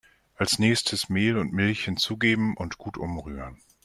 Als nächstes Mehl und Milch hinzugeben und gut umrühren.